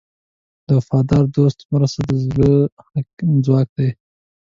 د وفادار دوست مرسته د زړه ځواک دی.